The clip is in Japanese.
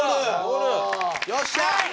よっしゃー！